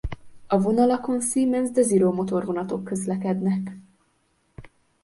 A vonalakon Siemens Desiro motorvonatok közlekednek.